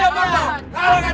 aku bisa mengambilkan kesaktianku